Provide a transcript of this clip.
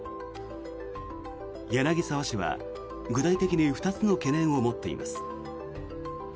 柳澤氏は具体的に２つの懸念を持っています。